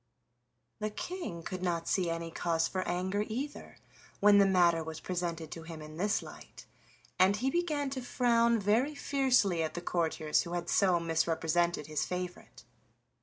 The King could not see any cause for anger either when the matter was presented to him in this light, and he began to frown very fiercely at the courtiers who had so misrepresented his favorite.